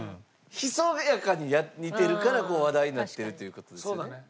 ひそやかに似てるからこう話題になってるという事ですよね。